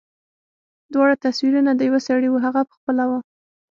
دواړه تصويرونه د يوه سړي وو هغه پخپله و.